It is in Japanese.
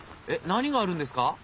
えっ何があるんですか？